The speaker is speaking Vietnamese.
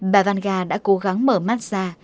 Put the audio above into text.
bà vanga đã cố gắng mở mắt ra